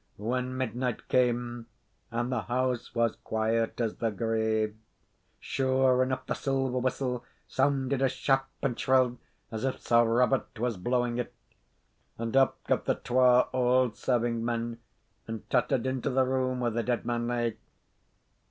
When midnight came, and the house was quiet as the grave, sure enough the silver whistle sounded as sharp and shrill as if Sir Robert was blowing it; and up got the twa auld serving men, and tottered into the room where the dead man lay.